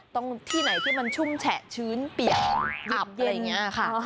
ตรงที่ไหนที่มันชุ่มแฉะชื้นเปียกอับอะไรอย่างนี้ค่ะ